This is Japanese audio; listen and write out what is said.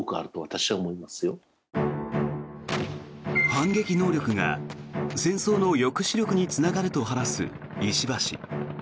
反撃能力が戦争の抑止力につながると話す石破氏。